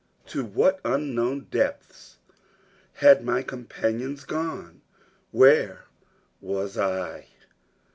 To what unknown depths had my companions gone? Where was I?